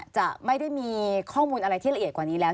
จะไม่ได้มีข้อมูลอะไรที่ละเอียดกว่านี้แล้ว